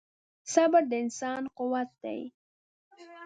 • صبر د انسان قوت دی.